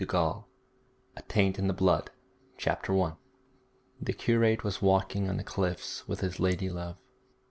IV A TAINT IN THE BLOOD CHAPTER I The curate was walking on the cliffs with his lady love.